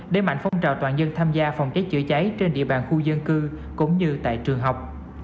để mạnh phong trào toàn dân tham gia phòng cháy chữa cháy trên địa bàn khu dân cư cũng như tại trường học